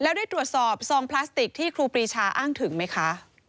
แล้วได้ตรวจสอบซองพลาสติกที่ครูปรีชาอ้างถึงไหมคะ